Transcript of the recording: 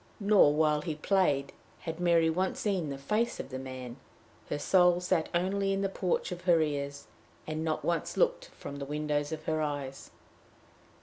Nor, while he played, had Mary once seen the face of the man; her soul sat only in the porch of her ears, and not once looked from the windows of her eyes.